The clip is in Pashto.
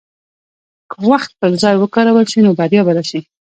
که وخت پر ځای وکارول شي، نو بریا به راشي.